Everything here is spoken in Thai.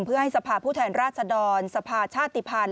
เพื่อให้สภาพผู้แทนราชดรสภาชาติภัณฑ์